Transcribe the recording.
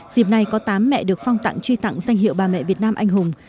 dịp này có tám mẹ được phong tặng truy tặng danh hiệu bà mẹ việt nam anh hùng